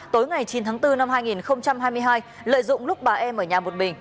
tối ngày chín tháng bốn năm hai nghìn hai mươi hai lợi dụng lúc bà em ở nhà một bình